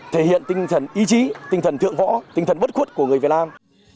thể hiện tinh thần ý chí tinh thần thượng võ tinh thần bất khuất của người việt nam